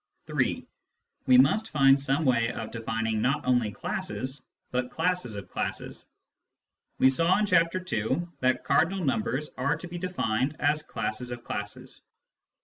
(3) We must find some way of defining not only classes, but classes of classes. We saw in Chapter II. that cardinal numbers are to be defined as classes of classes.